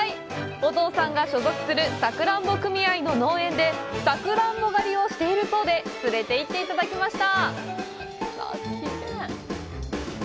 お父さんが所属するさくらんぼ組合の農園でさくらんぼ狩りをしているそうで、連れて行っていただきました。